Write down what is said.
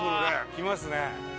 きますね。